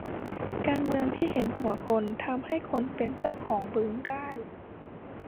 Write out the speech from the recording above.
การเมืองที่เห็นหัวคนทำให้คนเป็นเจ้าของบึงได้